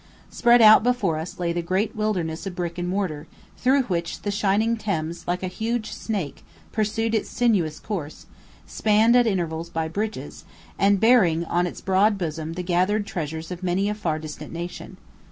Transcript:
Spread out before us lay the great wilderness of brick and mortar, through which the shining Thames, like a huge snake, pursued its sinuous course, spanned at intervals by bridges, and bearing, on its broad bosom the gathered treasures of many a far distant nation.